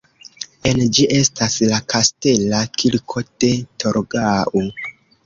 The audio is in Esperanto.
En ĝi estas la Kastela kirko de Torgau.